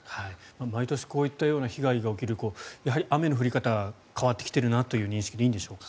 毎年、こういったような被害が起きるとやはり雨の降り方が変わってきているなという認識でいいんでしょうか？